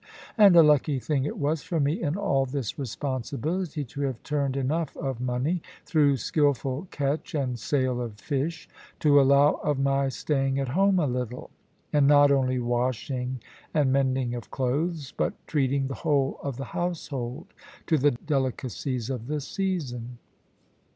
And a lucky thing it was for me in all this responsibility to have turned enough of money, through skilful catch and sale of fish, to allow of my staying at home a little, and not only washing and mending of clothes, but treating the whole of the household to the delicacies of the season.